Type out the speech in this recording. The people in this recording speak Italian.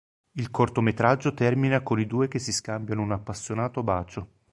Il cortometraggio termina con i due che si scambiano un appassionato bacio.